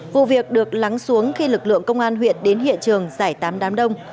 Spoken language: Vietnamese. vụ việc được lắng xuống khi lực lượng công an huyện đến hiện trường giải tám đám đông